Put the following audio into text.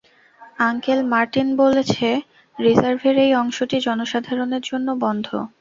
Uncle Martin বলেছে রিজার্ভের এই অংশটি জনসাধারণের জন্য বন্ধ।